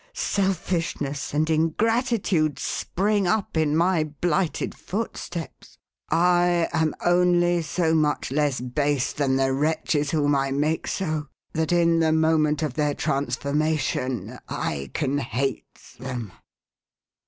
Selfishness and ingratitude spring up in my blighted footsteps. I am only so much less base than the 476 THE HAUNTED MAN. wretches whom I make so, that in the moment of their transformation I can hate them."